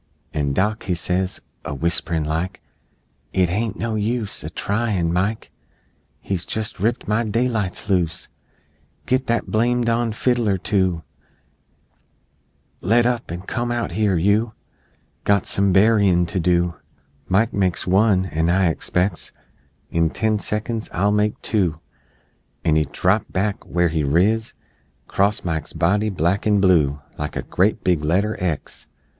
An' Dock he says, A whisperin' like, "It hain't no use A tryin'! Mike He's jes' ripped my daylights loose! Git that blame don fiddler to Let up, an' come out here You Got some burryin' to do, Mike makes one, an' I expects In ten seconds I'll make two!" And he drapped back, where he riz, 'Crost Mike's body, black and blue, Like a great big letter X!